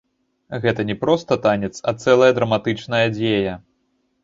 Гэта не проста танец, а цэлая драматычная дзея.